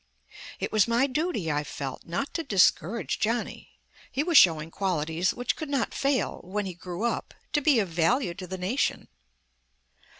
It was my duty, I felt, not to discourage Johnny. He was showing qualities which could not fail, when he grew up, to be of value to the nation.